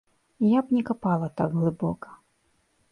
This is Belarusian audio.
Я б не капала так глыбока.